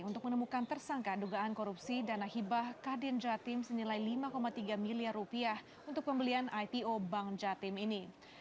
untuk menemukan tersangka dugaan korupsi dana hibah kadin jatim senilai lima tiga miliar rupiah untuk pembelian ipo bank jatim ini